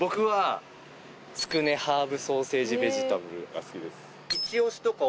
が好きです。